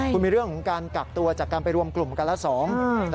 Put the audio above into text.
คุณมีเรื่องของการกักตัวจากการไปรวมกลุ่มกันละสอง